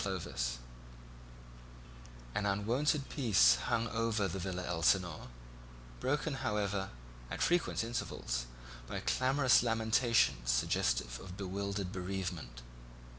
THE QUEST An unwonted peace hung over the Villa Elsinore, broken, however, at frequent intervals, by clamorous lamentations suggestive of bewildered bereavement.